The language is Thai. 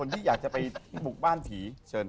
ที่อยากจะไปบุกบ้านผีเชิญ